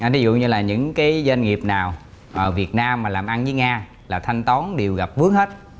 ví dụ như là những doanh nghiệp nào ở việt nam mà làm ăn với nga là thanh tón đều gặp vướng hết